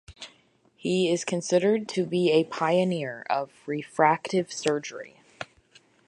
He is considered to be a pioneer of refractive surgery.